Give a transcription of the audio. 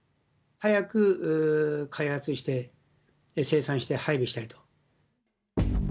早く開発をして、生産して、配備したいと。